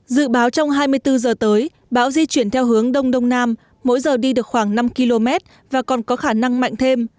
dự báo trong hai mươi bốn giờ tới bão di chuyển theo hướng đông đông nam mỗi giờ đi được khoảng năm km và còn có khả năng mạnh thêm